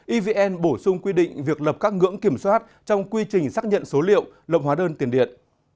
evn bổ sung quy định việc lập các ngưỡng kiểm soát trong quy trình xác nhận số liệu lập hóa đơn tiền điện